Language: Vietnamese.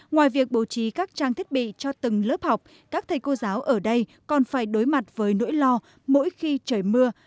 ngoài việc bố trí các trang thiết bị cho từng lớp học các thầy cô giáo ở đây còn phải đối mặt với nỗi lo mỗi khi trời mưa